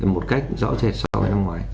một cách rõ rệt so với năm ngoái